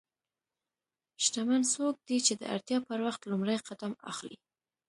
شتمن څوک دی چې د اړتیا پر وخت لومړی قدم اخلي.